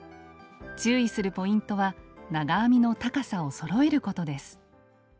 注意するポイントは長編みの高さをそろえることです。